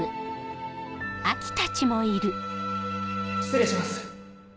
・失礼します